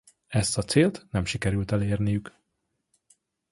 Ezt a célt nem sikerült elérniük.